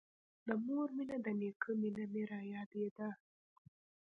د مور مينه د نيکه مينه مې رايادېده.